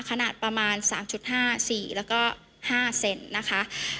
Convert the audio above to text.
ขนาดประมาณ๓๕๔แล้วก็๕เซนนะคะ